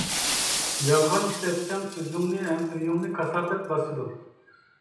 يالغان ئىشلەتسەڭ، ئۆزۈڭنى ھەم ئۆيۈڭنى كاساپەت باسىدۇ!